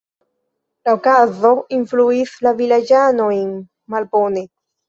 La okazo influis la vilaĝanojn malbone.